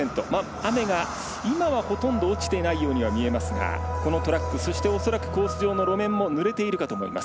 雨が今はほとんど落ちていないように見えますがこのトラック、そして恐らくコース上の路面もぬれているかと思います。